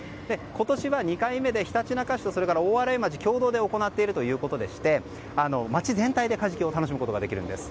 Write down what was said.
今年は２回目でひたちなか市とそれから大洗町共同で行っているということでして街全体でカジキを楽しむことができます。